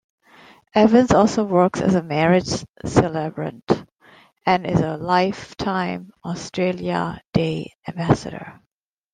Evans also works as a Marriage celebrant and is a lifetime Australia Day ambassador.